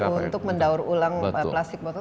untuk mendaur ulang plastik botol